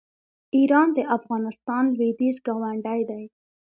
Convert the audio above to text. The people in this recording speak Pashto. ایران د افغانستان لویدیځ ګاونډی دی.